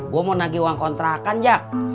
gue mau nagih uang kontrakan jak